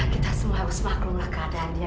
kita semua harus maklumlah keadaannya